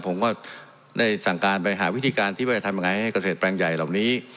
ผมก็ได้สั่งการไปหาวิธีการที่ว่าจะทำยังไงให้เกษตรแปลงใหญ่เหล่านี้